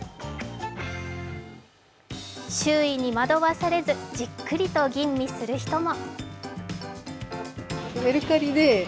周囲に惑わされずじっくりと吟味する人も。